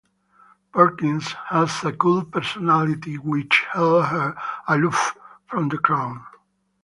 Perkins had a cool personality which held her aloof from the crowd.